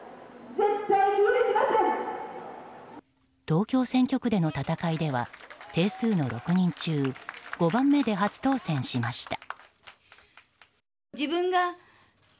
東京選挙区での戦いでは定数の６人中５番目で初当選しました。